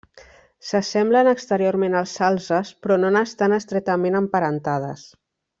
S'assemblen exteriorment als salzes però no n'estan estretament emparentades.